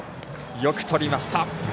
よくとりました。